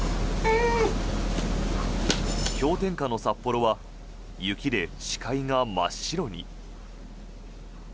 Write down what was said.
氷点下の札幌は雪で視界が真っ白に。